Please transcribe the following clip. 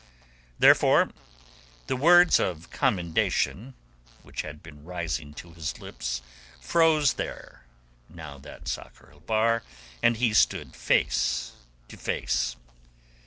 Therefore the words of commendation which had been rising to his lips froze there now that Sakr el Bahr and he stood face to face.